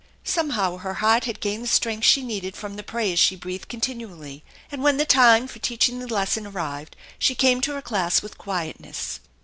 Somehow her heart had gained the strength she needed from the prayers she breathed continually, and when the time for teaching the lesson arrived she came to her class with quietness.